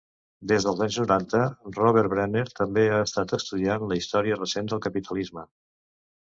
Des dels anys noranta, Robert Brenner també ha estat estudiant la història recent del capitalisme.